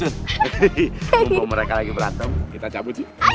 he he he mumpung mereka lagi berantem kita cabut